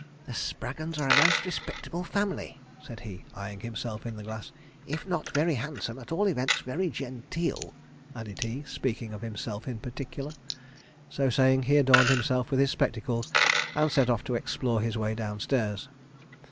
'The Spraggons are a most respectable family,' said he, eyeing himself in the glass. 'If not very handsome, at all events, very genteel,' added he, speaking of himself in particular. So saying, he adorned himself with his spectacles and set off to explore his way downstairs.